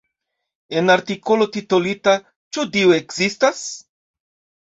En artikolo titolita "Ĉu Dio ekzistas?